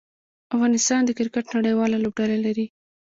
افغانستان د کرکټ نړۍواله لوبډله لري.